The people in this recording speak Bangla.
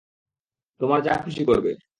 তোমার যা খুশি করবে।